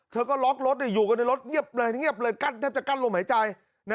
เธอก็ล็อกรถอยู่กันในรถเหยียบเลยแทบจะกั้นลมหายใจ